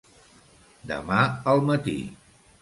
Demà al matí.